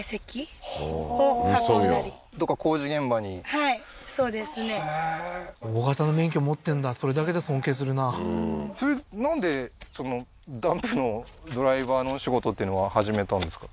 はあー大型の免許持ってるんだそれだけで尊敬するななんでダンプのドライバーのお仕事っていうのは始めたんですか？